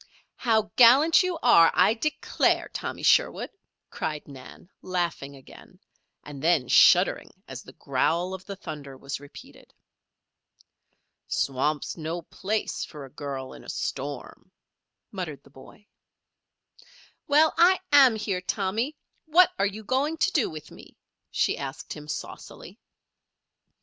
"How gallant you are, I declare, Tommy Sherwood," cried Nan, laughing again, and then shuddering as the growl of the thunder was repeated. "Swamp's no place for a girl in a storm," muttered the boy. "Well, I am here, Tommy; what are you going to do with me?" she asked him, saucily.